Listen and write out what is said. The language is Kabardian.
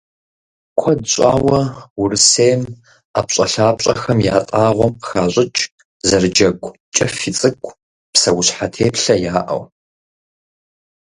Куэд щӀауэ Урысейм ӀэпщӀэлъапщӀэхэм ятӀагъуэм къыщыхащӀыкӀ зэрыджэгу, кӀэфий цӀыкӀу, псэущхьэ теплъэяӀэу.